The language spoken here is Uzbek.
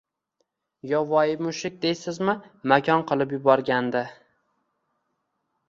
Yovvoyi mushuk deysizmi makon qilib yuborgandi.